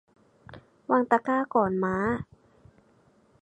วางตะกร้าก่อนม้า